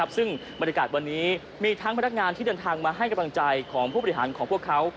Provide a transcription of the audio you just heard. ซึ่งบรรยากาศวันนี้มีทั้งพนักงานที่เดินทางมาให้กำลังใจของผู้บริหารของพวกเขา